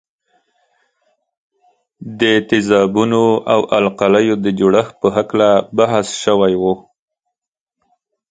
د تیزابونو او القلیو د جوړښت په هکله بحث شوی وو.